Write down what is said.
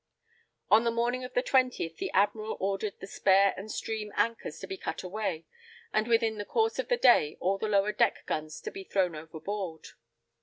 On the morning of the 20th the admiral ordered the spare and stream anchors to be cut away, and within the course of the day all the lower deck guns to be thrown overboard.